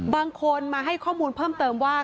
บางคนมาให้ข้อมูลเพิ่มเติมว่า